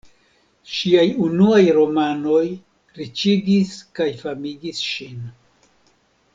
Ŝiaj unuaj romanoj riĉigis kaj famigis ŝin.